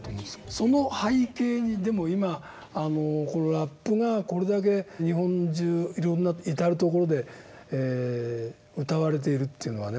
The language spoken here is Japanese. その背景にでも今このラップがこれだけ日本中至る所で歌われているというのはね